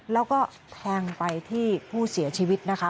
แล้วก็แทงไปที่ผู้เสียชีวิตนะคะ